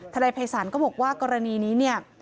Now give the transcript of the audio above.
นายภัยศาลก็บอกว่ากรณีนี้เนี่ย